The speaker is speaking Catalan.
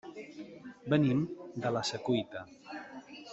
Venim de la Secuita.